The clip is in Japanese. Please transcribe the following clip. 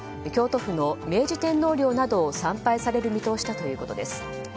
京都府の明治天皇陵などを参拝される見通しだということです。